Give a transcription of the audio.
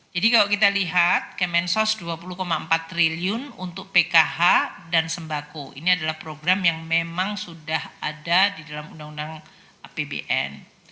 jadi kalau kita lihat kemensos rp dua puluh empat triliun untuk pkh dan sembako ini adalah program yang memang sudah ada di dalam undang undang apbn